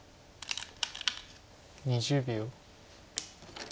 ２０秒。